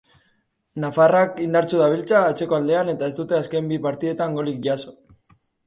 Nafarrak indartsu dabiltza atzeko aldean eta ez dute azken bi partidetan golik jaso.